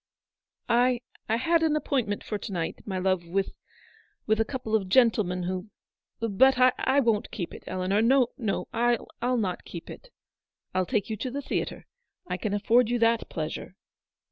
"I — I had an appointment for to night, my love, with — with a couple of gentlemen who — But I won't keep it, Eleanor, — no, no, Fll not keep it. Fll take you to the theatre. I can afford you that pleasure."